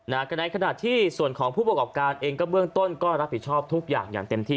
ในขณะที่ส่วนของผู้ประกอบการเองก็เบื้องต้นก็รับผิดชอบทุกอย่างอย่างเต็มที่